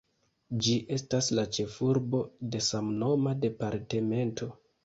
Ĝi estas la ĉefurbo de samnoma departemento.